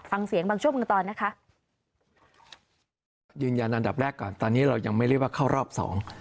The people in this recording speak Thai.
ฟังเสียงบางช่วงบางตอนนะคะยืนยันอันดับแรกก่อนตอนนี้เรายังไม่เรียกว่าเข้ารอบสอง